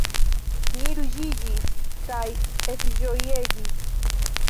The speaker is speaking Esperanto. Mi ruĝiĝis kaj ekĝojegis.